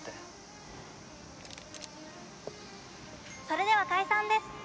それでは解散です。